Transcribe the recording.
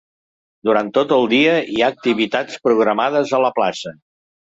Durant tot el dia hi ha activitats programades a la plaça.